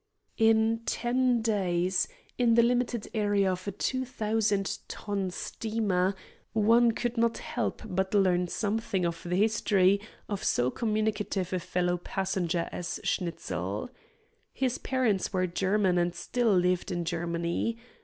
In ten days, in the limited area of a two thousand ton steamer, one could not help but learn something of the history of so communicative a fellow passenger as Schnitzel. His parents were German and still lived in Germany.